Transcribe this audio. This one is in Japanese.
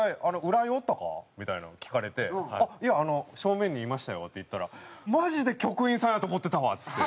浦井おったか？」みたいなのを聞かれて「いやあの正面にいましたよ」って言ったら「マジで局員さんやと思ってたわ」っつって。